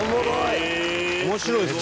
伊達：面白いですね！